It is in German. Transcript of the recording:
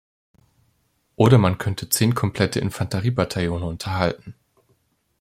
Oder man könnte zehn komplette Infanteriebataillone unterhalten.